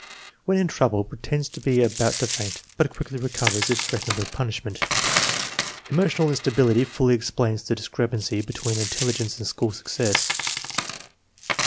When in trouble pretends to be about to faint, but quickly recovers if threatened with punishment. 104 INTELLIGENCE OF SCHOOL CHILDREN Emotional instability fully explains the discrepancy be tween intelligence and school success.